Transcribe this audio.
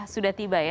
sudah tiba ya